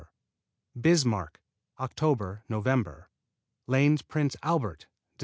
Bismarck Oct., Nov. Lane's Prince Albert Dec.